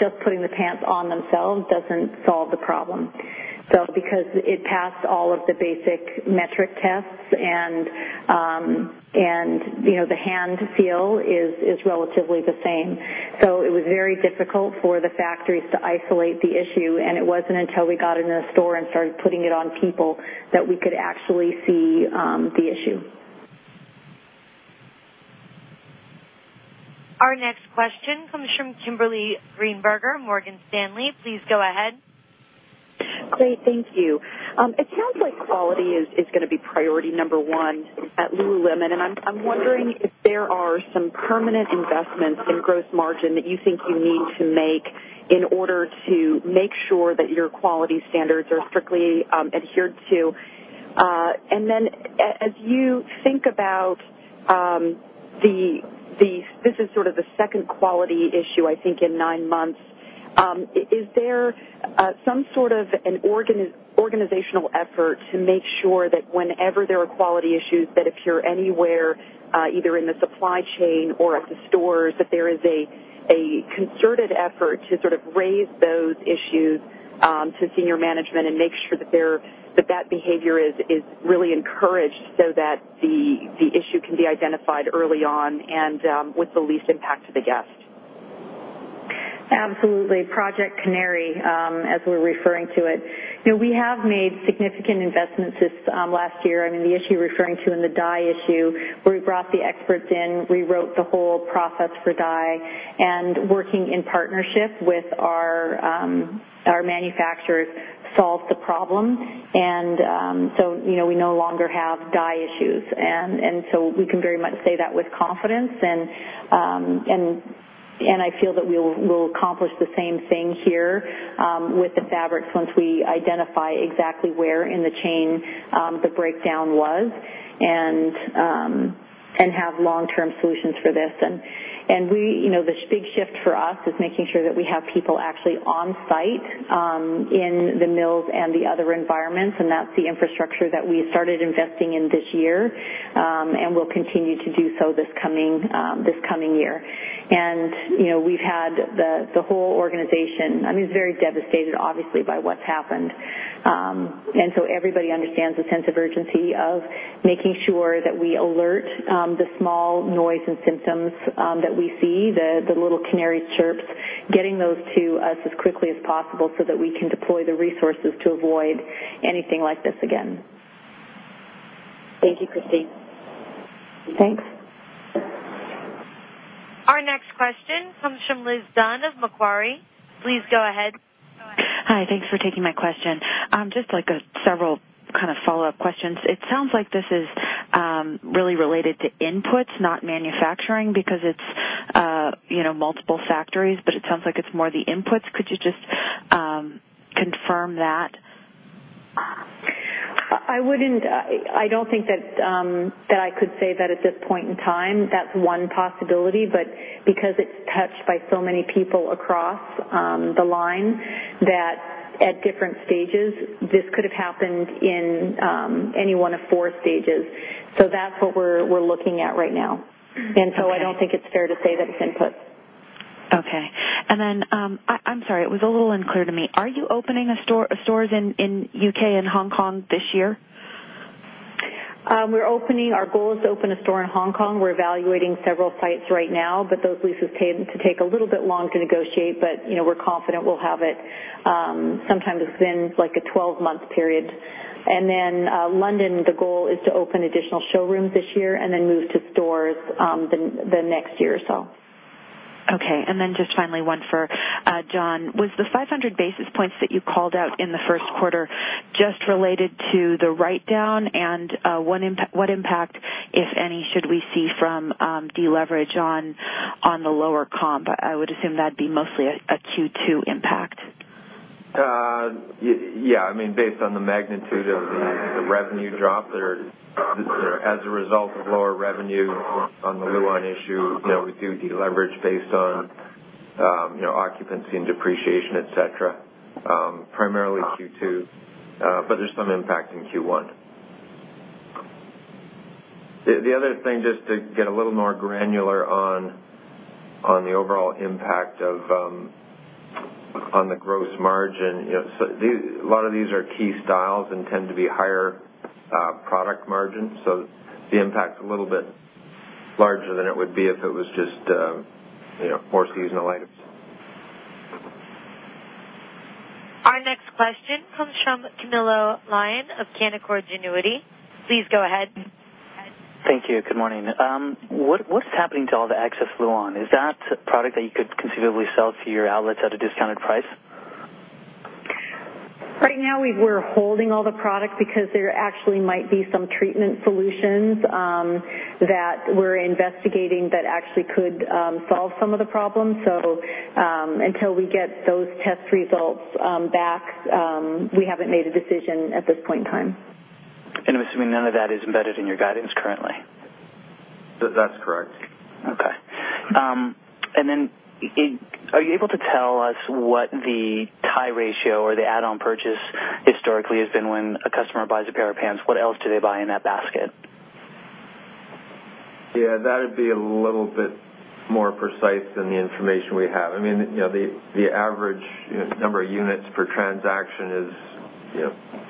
Just putting the pants on themselves doesn't solve the problem. It passed all of the basic metric tests and the hand feel is relatively the same. It was very difficult for the factories to isolate the issue, and it wasn't until we got it in a store and started putting it on people that we could actually see the issue.
Our next question comes from Kimberly Greenberger, Morgan Stanley. Please go ahead.
Great. Thank you. It sounds like quality is gonna be priority number one at Lululemon, I'm wondering if there are some permanent investments in gross margin that you think you need to make in order to make sure that your quality standards are strictly adhered to. As you think about, this is sort of the second quality issue, I think, in nine months, is there some sort of an organizational effort to make sure that whenever there are quality issues that appear anywhere, either in the supply chain or at the stores, that there is a concerted effort to sort of raise those issues to senior management and make sure that that behavior is really encouraged so that the issue can be identified early on and with the least impact to the guest?
Absolutely. Project Canary, as we're referring to it. We have made significant investments this last year. I mean, the issue you're referring to in the dye issue, where we brought the experts in, rewrote the whole process for dye, and working in partnership with our manufacturers, solved the problem. We no longer have dye issues. We can very much say that with confidence. I feel that we'll accomplish the same thing here with the fabrics once we identify exactly where in the chain the breakdown was and have long-term solutions for this. The big shift for us is making sure that we have people actually on site in the mills and the other environments, and that's the infrastructure that we started investing in this year and will continue to do so this coming year. We've had the whole organization. I mean, it's very devastating, obviously, by what's happened. Everybody understands the sense of urgency of making sure that we alert the small noise and symptoms that we see, the little canary chirps, getting those to us as quickly as possible so that we can deploy the resources to avoid anything like this again.
Thank you, Christine.
Thanks.
Our next question comes from Liz Dunn of Macquarie. Please go ahead.
Hi. Thanks for taking my question. Just several follow-up questions. It sounds like this is really related to inputs, not manufacturing, because it's multiple factories, but it sounds like it's more the inputs. Could you just confirm that?
I don't think that I could say that at this point in time. That's one possibility, but because it's touched by so many people across the line, that at different stages, this could have happened in any one of four stages. That's what we're looking at right now.
Okay.
I don't think it's fair to say that it's inputs.
Okay. I'm sorry, it was a little unclear to me. Are you opening stores in U.K. and Hong Kong this year?
Our goal is to open a store in Hong Kong. We're evaluating several sites right now, but those leases tend to take a little bit long to negotiate, but we're confident we'll have it sometime within a 12-month period. London, the goal is to open additional showrooms this year and then move to stores the next year or so.
Okay, just finally, one for John. Was the 500 basis points that you called out in the first quarter just related to the write-down? What impact, if any, should we see from deleverage on the lower comp? I would assume that'd be mostly a Q2 impact.
Yeah. Based on the magnitude of the revenue drop as a result of lower revenue on the Luon issue, we do deleverage based on occupancy and depreciation, et cetera. Primarily Q2, but there's some impact in Q1. The other thing, just to get a little more granular on the overall impact on the gross margin. A lot of these are key styles and tend to be higher product margins. The impact's a little bit larger than it would be if it was just more seasonal items.
Our next question comes from Camilo Lyon of Canaccord Genuity. Please go ahead.
Thank you. Good morning. What is happening to all the excess Luon? Is that product that you could conceivably sell to your outlets at a discounted price?
Right now, we're holding all the product because there actually might be some treatment solutions that we're investigating that actually could solve some of the problems. Until we get those test results back, we haven't made a decision at this point in time.
I'm assuming none of that is embedded in your guidance currently.
That's correct.
Okay. Are you able to tell us what the tie ratio or the add-on purchase historically has been when a customer buys a pair of pants? What else do they buy in that basket?
Yeah, that'd be a little bit more precise than the information we have. The average number of units per transaction is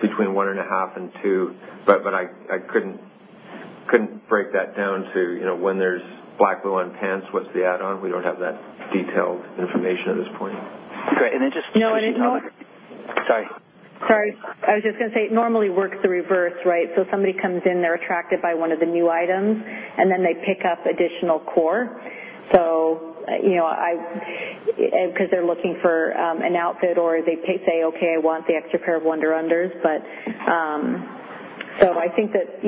between one and a half and two. I couldn't break that down to when there's black Luon pants, what's the add-on? We don't have that detailed information at this point.
Great.
No.
Sorry.
Sorry. I was just going to say, it normally works the reverse, right? Somebody comes in, they're attracted by one of the new items, they pick up additional core. Because they're looking for an outfit, or they say, "Okay, I want the extra pair of Wunder Unders." I think that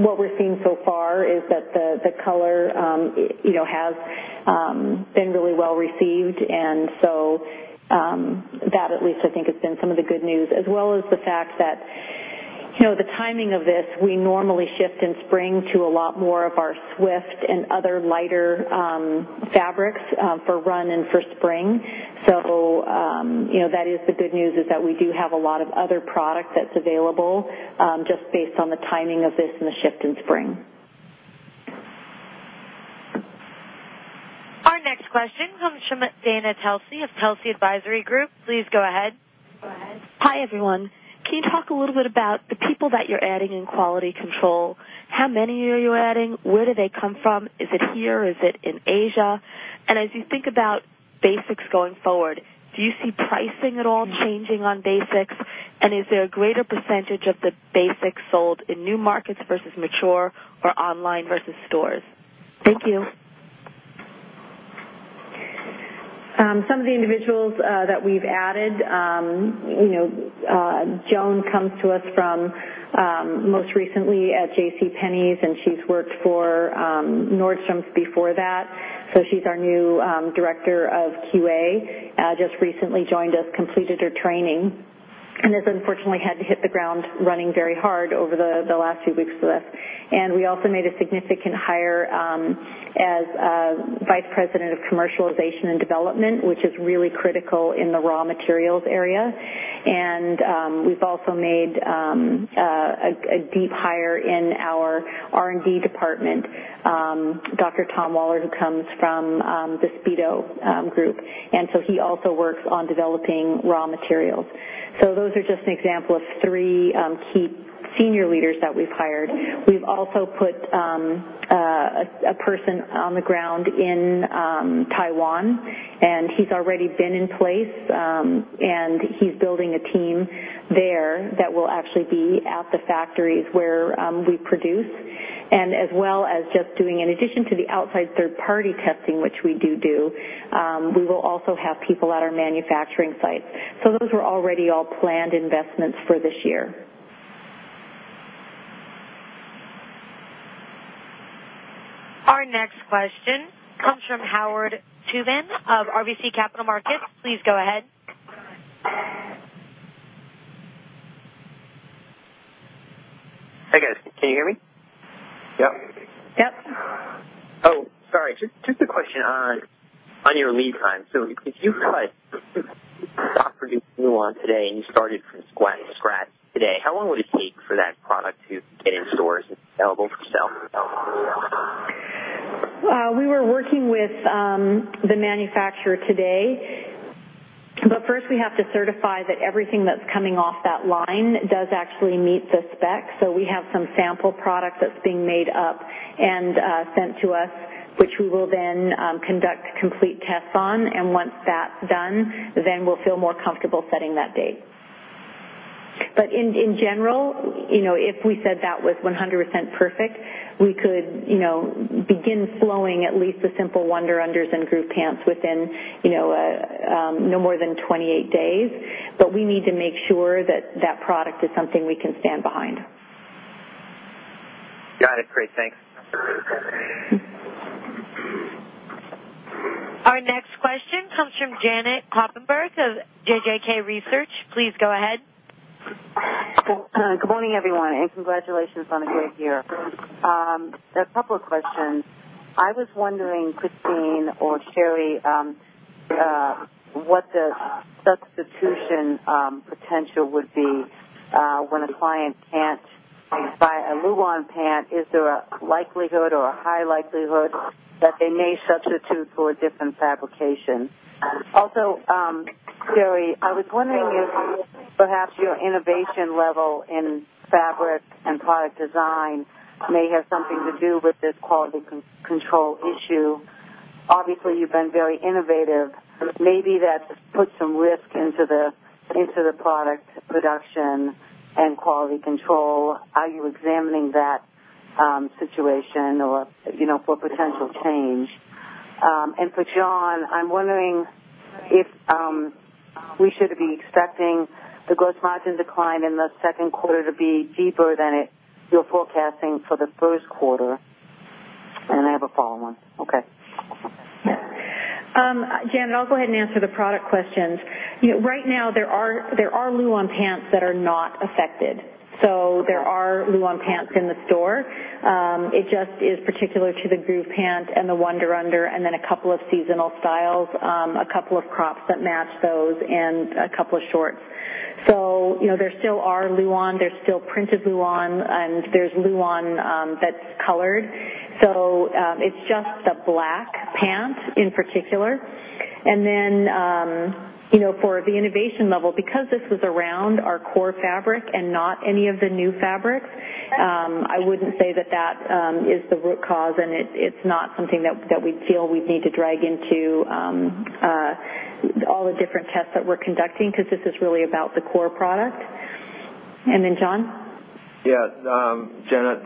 what we're seeing so far is that the color has been really well received. That at least I think has been some of the good news, as well as the fact that the timing of this, we normally shift in spring to a lot more of our Swift and other lighter fabrics for run and for spring. That is the good news, is that we do have a lot of other product that's available, just based on the timing of this and the shift in spring.
Our next question comes from Dana Telsey of Telsey Advisory Group. Please go ahead. Go ahead.
Hi, everyone. Can you talk a little bit about the people that you're adding in quality control? How many are you adding? Where do they come from? Is it here? Is it in Asia? As you think about basics going forward, do you see pricing at all changing on basics? Is there a greater percentage of the basics sold in new markets versus mature or online versus stores? Thank you.
Some of the individuals that we've added, Joan comes to us from most recently at JCPenney, and she's worked for Nordstrom before that. She's our new Director of QA. Just recently joined us, completed her training, has unfortunately had to hit the ground running very hard over the last two weeks with us. We also made a significant hire as Vice President of Commercialization and Development, which is really critical in the raw materials area. We've also made a deep hire in our R&D department, Dr. Tom Waller, who comes from the Speedo group. He also works on developing raw materials. Those are just an example of three key senior leaders that we've hired. We've also put a person on the ground in Taiwan, and he's already been in place. He's building a team there that will actually be at the factories where we produce, as well as just doing, in addition to the outside third-party testing, which we do do, we will also have people at our manufacturing sites. Those were already all planned investments for this year.
Our next question comes from Howard Tubin of RBC Capital Markets. Please go ahead.
Hi, guys. Can you hear me?
Yep.
Yep.
Oh, sorry. Just a question on your lead time. If you could stop producing Luon today, and you started from scratch today, how long would it take for that product to get in stores and available for sale?
We were working with the manufacturer today. First we have to certify that everything that's coming off that line does actually meet the specs. We have some sample product that's being made up and sent to us, which we will then conduct complete tests on. Once that's done, then we'll feel more comfortable setting that date. In general, if we said that was 100% perfect, we could begin flowing at least the simple Wunder Unders and Groove pants within no more than 28 days. We need to make sure that that product is something we can stand behind.
Got it. Great. Thanks.
Our next question comes from Janet Kloppenburg of JJK Research. Please go ahead.
Good morning, everyone. Congratulations on a great year. A couple of questions. I was wondering, Christine or Sheree, what the substitution potential would be, when a client can't buy a Luon pant, is there a likelihood or a high likelihood that they may substitute for a different fabrication? Also, Sheree, I was wondering if perhaps your innovation level in fabric and product design may have something to do with this quality control issue. Obviously, you've been very innovative. Maybe that's put some risk into the product production and quality control. Are you examining that situation or for potential change? For John, I'm wondering if we should be expecting the gross margin decline in the second quarter to be deeper than you're forecasting for the first quarter, and I have a follow-on. Okay.
Janet, I'll go ahead and answer the product questions. Right now, there are Luon pants that are not affected. There are Luon pants in the store. It just is particular to the Groove pant and the Wunder Under, and then a couple of seasonal styles, a couple of crops that match those, and a couple of shorts. There still are Luon, there's still printed Luon, and there's Luon that's colored. It's just the black pant in particular. For the innovation level, because this was around our core fabric and not any of the new fabrics, I wouldn't say that that is the root cause, and it's not something that we feel we need to drag into all the different tests that we're conducting, because this is really about the core product. John?
Janet,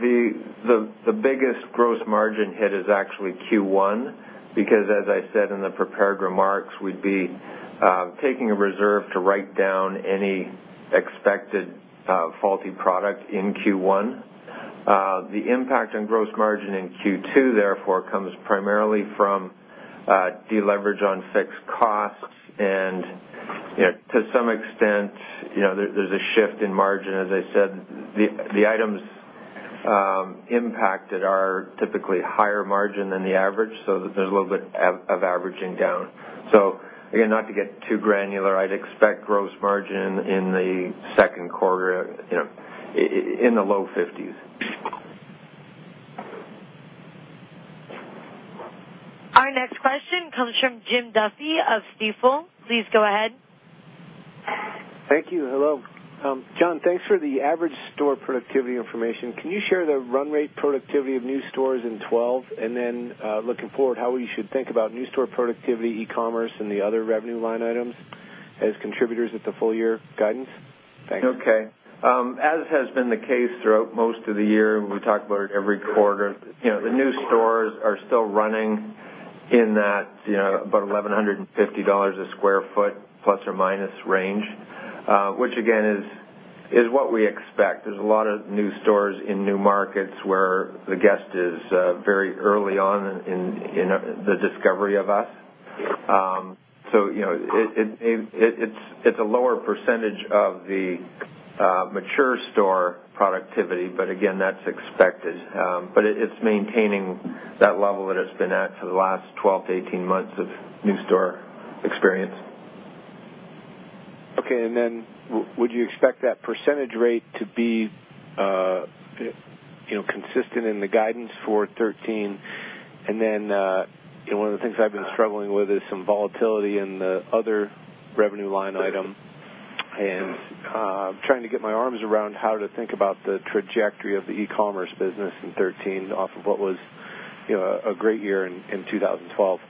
the biggest gross margin hit is actually Q1, because as I said in the prepared remarks, we'd be taking a reserve to write down any expected faulty product in Q1. The impact on gross margin in Q2, therefore, comes primarily from deleverage on fixed costs and, to some extent, there's a shift in margin. As I said, the items impacted are typically higher margin than the average, so there's a little bit of averaging down. Again, not to get too granular, I'd expect gross margin in the second quarter, in the low fifties.
Our next question comes from Jim Duffy of Stifel. Please go ahead.
Thank you. Hello. John, thanks for the average store productivity information. Can you share the run rate productivity of new stores in 2012? Looking forward, how we should think about new store productivity, e-commerce, and the other revenue line items as contributors at the full year guidance? Thanks.
Okay. As has been the case throughout most of the year, we talk about it every quarter. The new stores are still running in that about $1,150 a square foot plus or minus range, which again, is what we expect. There's a lot of new stores in new markets where the guest is very early on in the discovery of us. It's a lower percentage of the mature store productivity, but again, that's expected. It's maintaining that level that it's been at for the last 12 to 18 months of new store experience.
Okay, would you expect that percentage rate to be consistent in the guidance for 2013? One of the things I've been struggling with is some volatility in the other revenue line item, and I'm trying to get my arms around how to think about the trajectory of the e-commerce business in 2013 off of what was a great year in 2012.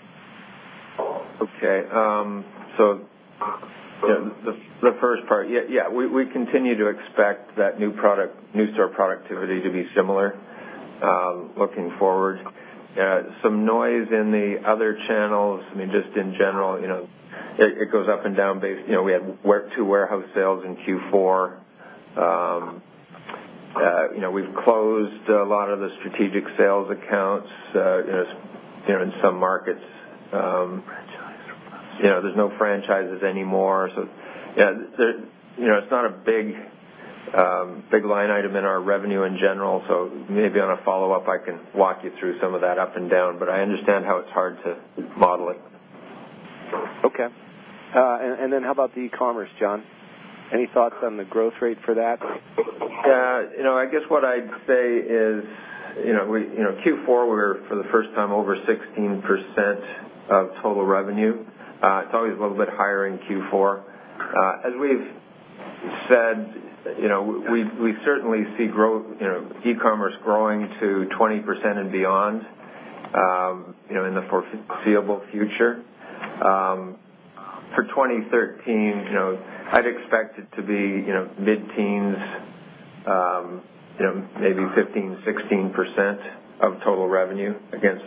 Okay. The first part, yeah. We continue to expect that new store productivity to be similar looking forward. Some noise in the other channels, I mean, just in general, it goes up and down. We had two warehouse sales in Q4. We've closed a lot of the strategic sales accounts in some markets.
Franchises.
There's no franchises anymore. Yeah, it's not a big line item in our revenue in general. Maybe on a follow-up, I can walk you through some of that up and down, but I understand how it's hard to model it.
Okay. How about the e-commerce, John? Any thoughts on the growth rate for that?
Yeah. I guess what I'd say is, Q4, we were, for the first time, over 16% of total revenue. It's always a little bit higher in Q4. As we've said, we certainly see e-commerce growing to 20% and beyond in the foreseeable future. For 2013, I'd expect it to be mid-teens, maybe 15%, 16% of total revenue against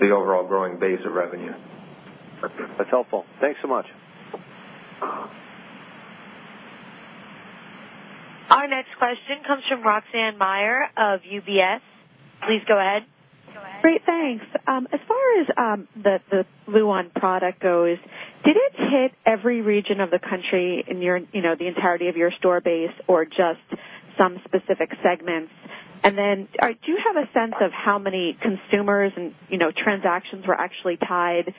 the overall growing base of revenue.
Okay. That's helpful. Thanks so much.
Our next question comes from Roxanne Meyer of UBS. Please go ahead.
Great. Thanks. As far as the Luon product goes, did it hit every region of the country in the entirety of your store base or just some specific segments? Then do you have a sense of how many consumers and transactions were actually tied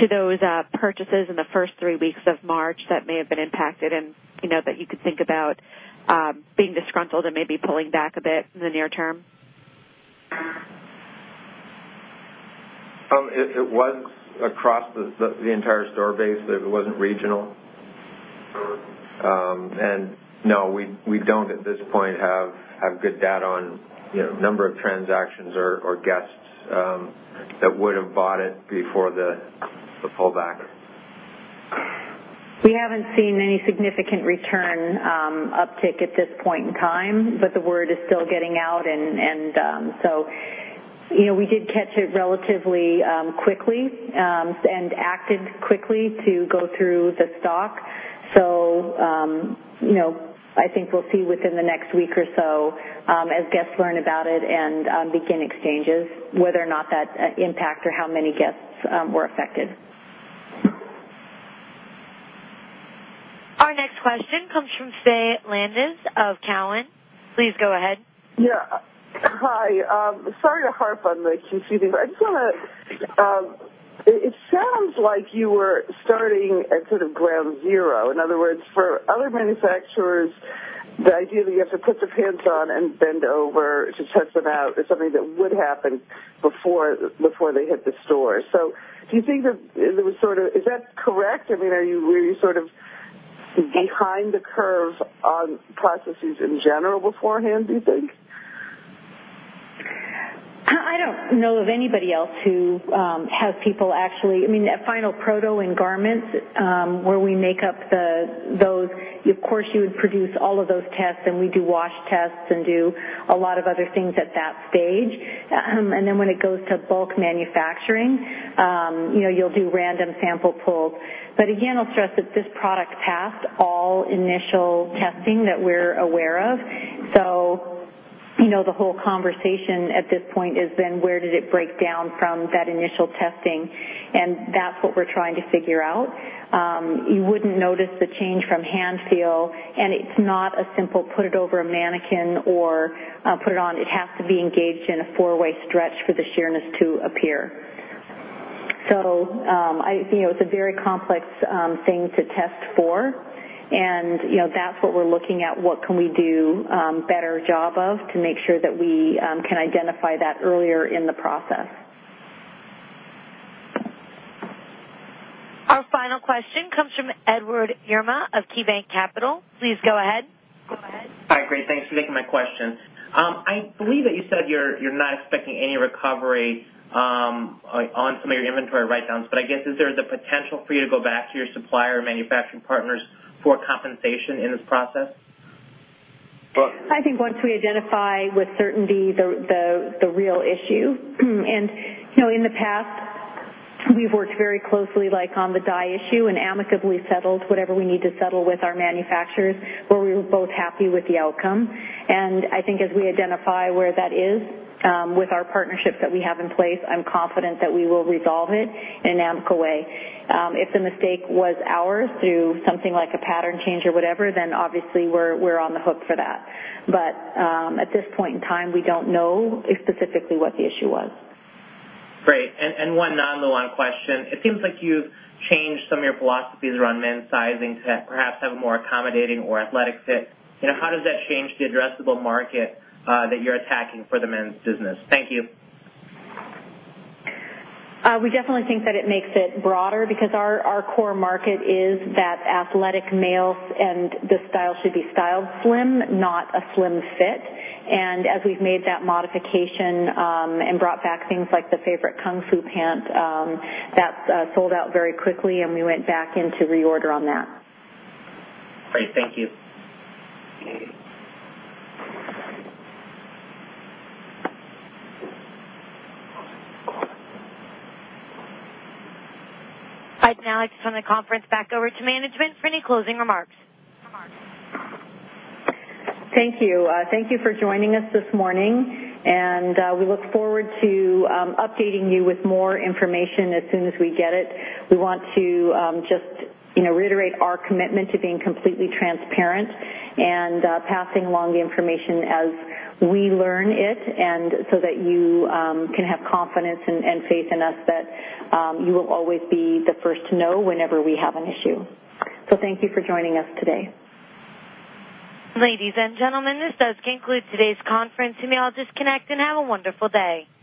to those purchases in the first three weeks of March that may have been impacted, and that you could think about being disgruntled and maybe pulling back a bit in the near term?
It was across the entire store base. It wasn't regional. No, we don't, at this point, have good data on number of transactions or guests that would've bought it before the pullback.
We haven't seen any significant return uptick at this point in time, but the word is still getting out. We did catch it relatively quickly and acted quickly to go through the stock. I think we'll see within the next week or so as guests learn about it and begin exchanges, whether or not that impacts or how many guests were affected.
Our next question comes from Faye Landes of Cowen. Please go ahead.
Yeah. Hi. Sorry to harp on the QC thing. It sounds like you were starting at sort of ground zero. In other words, for other manufacturers, the idea that you have to put the pants on and bend over to test them out is something that would happen before they hit the store. Is that correct? Were you sort of behind the curve on processes in general beforehand, do you think?
I don't know of anybody else who has people at final proto in garments, where we make up those, of course, you would produce all of those tests, and we do wash tests and do a lot of other things at that stage. Then when it goes to bulk manufacturing, you'll do random sample pulls. Again, I'll stress that this product passed all initial testing that we're aware of. The whole conversation at this point is then where did it break down from that initial testing? That's what we're trying to figure out. You wouldn't notice the change from hand feel, and it's not a simple put it over a mannequin or put it on. It has to be engaged in a four-way stretch for the sheerness to appear. It's a very complex thing to test for, and that's what we're looking at, what can we do a better job of to make sure that we can identify that earlier in the process.
Our final question comes from Edward Yruma of KeyBanc Capital. Please go ahead.
Hi. Great. Thanks for taking my question. I believe that you said you're not expecting any recovery on some of your inventory write-downs. I guess, is there the potential for you to go back to your supplier or manufacturing partners for compensation in this process?
I think once we identify with certainty the real issue. In the past, we've worked very closely on the dye issue and amicably settled whatever we need to settle with our manufacturers, where we were both happy with the outcome. I think as we identify where that is with our partnerships that we have in place, I'm confident that we will resolve it in an amicable way. If the mistake was ours through something like a pattern change or whatever, then obviously we're on the hook for that. At this point in time, we don't know specifically what the issue was.
Great. One non-Luon question. It seems like you've changed some of your philosophies around men's sizing to perhaps have a more accommodating or athletic fit. How does that change the addressable market that you're attacking for the men's business? Thank you.
We definitely think that it makes it broader because our core market is that athletic males and the style should be styled slim, not a slim fit. As we've made that modification and brought back things like the favorite Kung Fu Pant, that sold out very quickly and we went back in to reorder on that.
Great. Thank you.
I'd now like to turn the conference back over to management for any closing remarks.
Thank you. Thank you for joining us this morning, and we look forward to updating you with more information as soon as we get it. We want to just reiterate our commitment to being completely transparent and passing along the information as we learn it, and so that you can have confidence and faith in us that you will always be the first to know whenever we have an issue. Thank you for joining us today.
Ladies and gentlemen, this does conclude today's conference. You may all disconnect, and have a wonderful day.